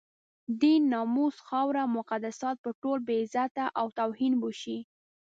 دين، ناموس، خاوره او مقدسات به ټول بې عزته او توهین به شي.